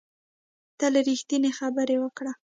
تل ریښتینې خبرې وکړه